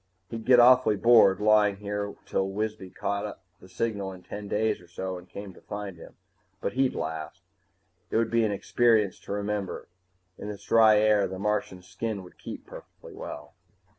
He'd get awfully bored, lying here till Wisby caught the signal in ten days or so and came to find him, but he'd last. It would be an experience to remember. In this dry air, the Martian's skin would keep perfectly well.